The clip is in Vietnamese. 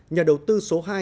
nhà đầu tư số hai